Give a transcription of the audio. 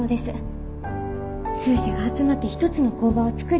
数社が集まって一つの工場を作り